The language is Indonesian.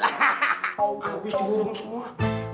abis di gulung semua